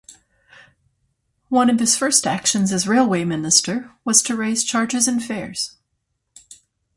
One of his first actions as Railway Minister was to raise charges and fares.